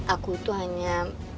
aku itu hanya